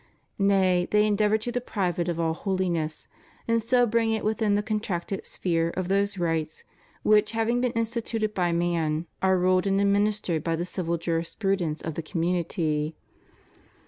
Nay, they endeavor to deprive it of all holiness, and so bring it within the contracted sphere of those rights which, having been instituted by man, are ruled and administered by the civil jurisprudence of the community.